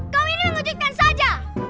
kau ini menunjukkan saja